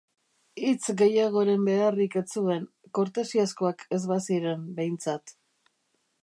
Hitz gehiagoren beharrik ez zuen, kortesiazkoak ez baziren, behintzat.